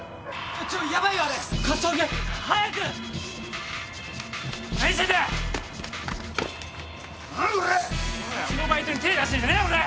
うちのバイトに手出してんじゃねえよおらっ！